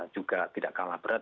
juga tidak kalah berat